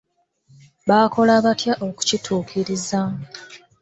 Baakola baatya okukituukiriza?